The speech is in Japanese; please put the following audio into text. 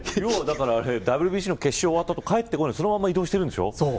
ＷＢＣの決勝が終わった後帰ってこないでそのまま移動してるんでしょ。